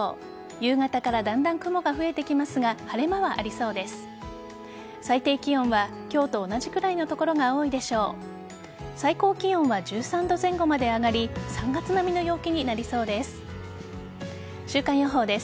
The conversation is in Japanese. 夕方からだんだん雲が増えてきますが晴れ間はありそうです。